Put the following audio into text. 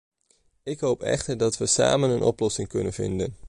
Ik hoop echter dat we samen een oplossing kunnen vinden.